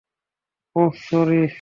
ওহ, sorry.